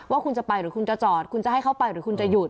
ว่าคุณจะไปหรือคุณจะจอดคุณจะให้เข้าไปหรือคุณจะหยุด